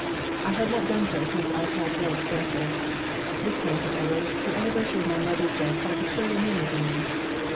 I had not done so since I had read Spencer. This time, however, the anniversary of my mother's death had a peculiar meaning for me.